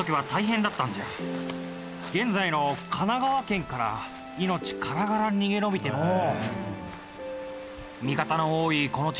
現在の神奈川県から命からがら逃げ延びてのう。